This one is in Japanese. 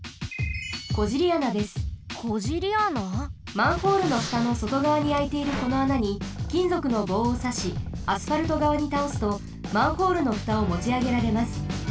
マンホールのふたのそとがわにあいているこの穴にきんぞくのぼうをさしアスファルトがわにたおすとマンホールのふたをもちあげられます。